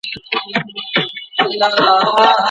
روژه بې ثوابه نه ده.